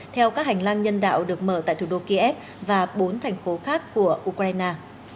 theo các hành lang nhân đạo được mở tại thủ đô kiev và bốn thành phố khác của ukraine